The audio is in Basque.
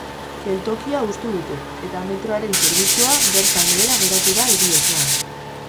Geltokia hustu dute, eta metroaren zerbitzua bertan behera geratu da hiri osoan.